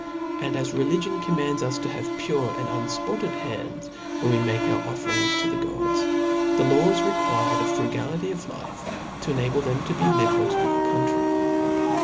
And as religion commands us to have pure and unfpotted hands ' when we make our offerings to the gods, the laws required a frugality of life to enable them to be lilxral to our country.